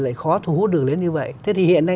lại khó thu hút được lớn như vậy thế thì hiện nay